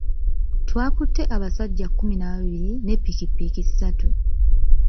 Twakutte abasajja kkumi na babiri ne ppikipiki ssatu.